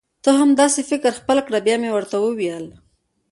ته هم دا سي فکر خپل کړه بیا مي ورته وویل: